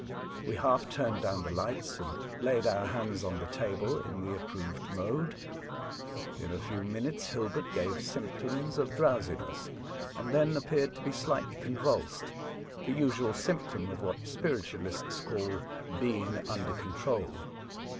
We half turned down the lights, and laid our hands on the table in the approved mode. In a few minutes Hilbert gave symptoms of drowsiness, and then appeared to be slightly convulsed, the usual symptom of what spiritualists call " being under control."